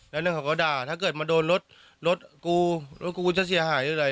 แล้วเรื่องเขาก็ด่าถ้าเกิดมาโดนรถรถกูรถกูกูจะเสียหายหรืออะไร